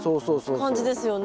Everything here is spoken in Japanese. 感じですよね。